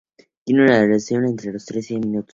Tiene una duración de unos trece minutos.